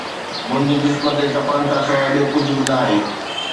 منهنجي جسم تي ڪپڙن کان سواءِ ٻيو ڪجهه به ناهي